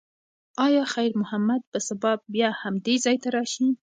ایا خیر محمد به سبا بیا همدې ځای ته راشي؟